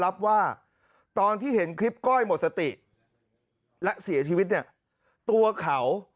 รับว่าตอนที่เห็นคลิปก้อยหมดสติและเสียชีวิตเนี่ยตัวเขา